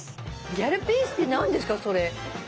ギャルピースって何ですかそれ？